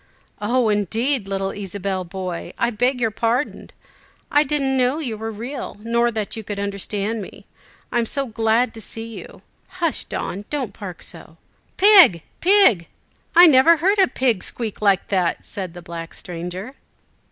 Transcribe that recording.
"Oh, indeed! little Ysabel boy, I beg your pardon. I didn't know you were real, nor that you could understand me! I am so glad to see you. Hush, Don! don't bark so!" "Pig, pig, I never heard a pig squeak like that," said the black stranger.